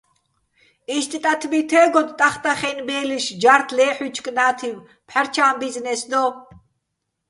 იშტ ტათბი თე́გოდო̆ ტახტახაჲნო̆ ბე́ლიშ ჯართ ლეჰ̦ჲუჲჩო̆ კნა́თივ, "ფჰ̦არჩა́ჼ ბიზნეს" დო.